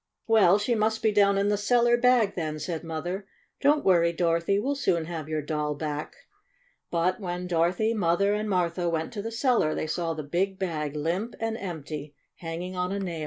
"Well, she must be down in the cellar bag, then," said Mother. "Don't worry, Dorothy. We'll soon have your doll back." But when Dorothy, Mother, and Martha went to the cellar they saw the big* bag limp and empty, hanging on a nail.